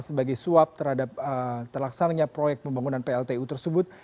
sebagai suap terhadap terlaksananya proyek pembangunan pltu tersebut